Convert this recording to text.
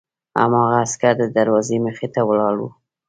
هماغه عسکر د دروازې مخې ته ولاړ و